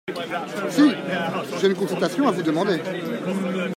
Si !… j’ai une consultation à vous demander.